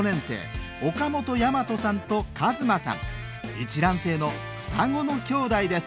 一卵性の双子の兄弟です